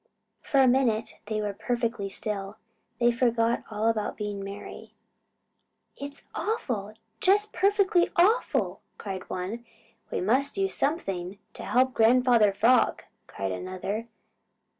For a minute they were perfectly still. They forgot all about being merry. "It's awful, just perfectly awful!" cried one. "We must do something to help Grandfather Frog!" cried another.